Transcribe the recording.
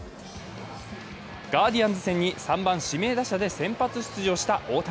ガーディアンズ戦に３番・指名打者で先発出場した大谷。